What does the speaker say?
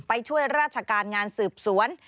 ไปช่วยราชการงานสืบสวน